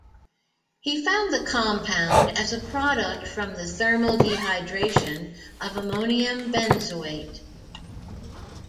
He found the compound as a product from the thermal dehydration of ammonium benzoate.